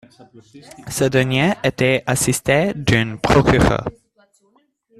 Ce dernier était assisté d’un procureur.